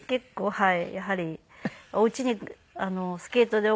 はい。